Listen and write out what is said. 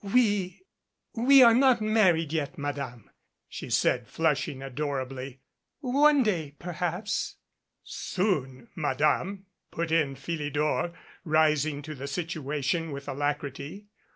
"We we are not married yet, Madame," she said flushing adorably. "One day perhaps " "Soon Madame," put in Philidor, rising to the situa tion with alacrity.